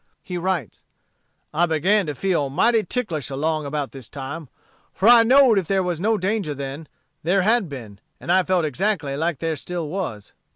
He writes: "I began to feel mighty ticklish along about this time; for I knowed if there was no danger then, there had been, and I felt exactly like there still was."